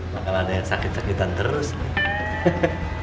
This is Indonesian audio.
wah bakal ada yang sakit sakitan terus nih